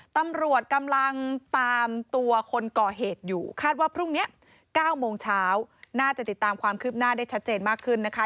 ตำรวจกำลังตามตัวคนก่อเหตุอยู่คาดว่าพรุ่งนี้๙โมงเช้าน่าจะติดตามความคืบหน้าได้ชัดเจนมากขึ้นนะคะ